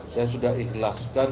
saya sudah ikhlaskan